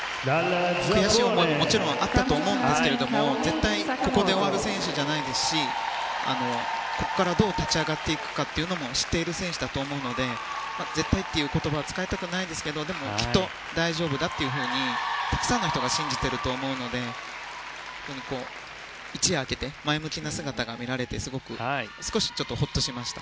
悔しい思いももちろんあったと思うんですけど絶対、ここで終わる選手じゃないですしここからどう立ち上がっていくかというのも知っている選手だと思うので絶対という言葉は使いたくないですがでもきっと大丈夫だというふうにたくさんの人が信じていると思うので一夜明けて前向きな姿が見られて少しホッとしました。